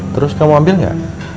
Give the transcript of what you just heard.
terus kamu ambil gak